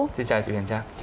xin chào chị huyền trang